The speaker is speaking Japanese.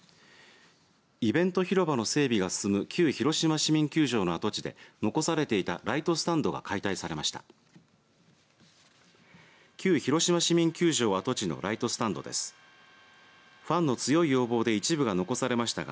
イベント広場の整備が進む旧広島市民球場の跡地で残されていた、ライトスタンドが解体されました。